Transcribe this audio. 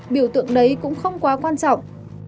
biểu tượng đấy cũng không quá quan trọng